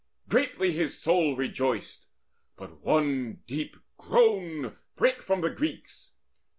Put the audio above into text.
Greatly his soul rejoiced; but one deep groan Brake from the Greeks.